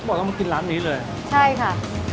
บอกต้องมากินร้านนี้เลยใช่ค่ะ